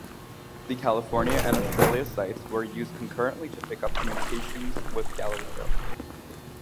The California and Australia sites were used concurrently to pick up communications with Galileo.